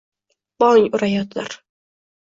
Bong urayotir…